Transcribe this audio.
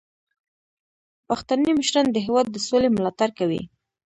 پښتني مشران د هیواد د سولې ملاتړ کوي.